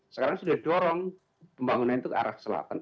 sekarang sudah didorong pembangunan itu ke arah selatan